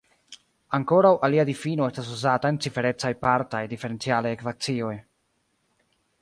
Ankoraŭ alia difino estas uzata en ciferecaj partaj diferencialaj ekvacioj.